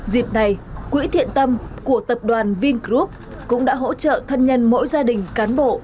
dịp này quỹ thiện tâm của tập đoàn vingroup cũng đã hỗ trợ thân nhân mỗi gia đình cán bộ